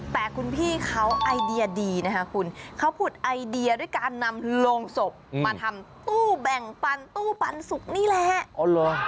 แต่คุณพี่เขาไอเดียดีนะคะคุณเขาผุดไอเดียด้วยการนำโรงศพมาทำตู้แบ่งปันตู้ปันสุกนี่แหละ